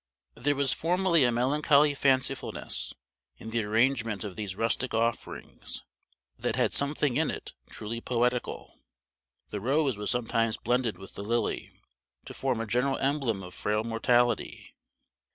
There was formerly a melancholy fancifulness in the arrangement of these rustic offerings, that had something in it truly poetical. The rose was sometimes blended with the lily, to form a general emblem of frail mortality.